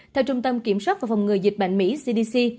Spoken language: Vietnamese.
theo trung tâm kiểm soát và phòng ngừa dịch bệnh mỹ cdc